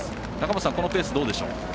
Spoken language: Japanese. このペースどうでしょう。